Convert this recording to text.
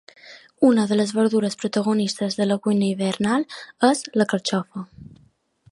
Una de les verdures protagonistes de la cuina hivernal és la carxofa.